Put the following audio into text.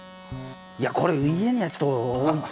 いやこれ家にはちょっと置いて。